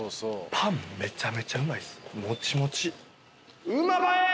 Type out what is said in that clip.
パンめちゃめちゃうまいっす。